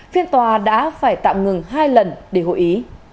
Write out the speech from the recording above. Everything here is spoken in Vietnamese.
phiên tòa đã phải tạm ngừng hai lần để hội ý